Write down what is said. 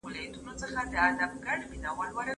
څه وخت دولتي شرکتونه درمل هیواد ته راوړي؟